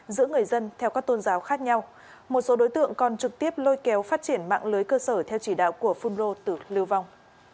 giữa người dân theo các tôn giáo khác nhau một số đối tượng còn trực tiếp lôi kéo phát triển mạng lưới cơ sở theo chỉ đạo của phun rô từ lưu vong